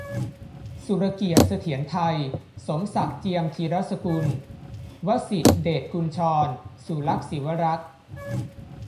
สุรเกียรติ์ เสถียรไทย สมศักดิ์ เจียมธีรสกุล วสิษฐ เดชกุญชร สุลักษณ์ ศิวรักษ์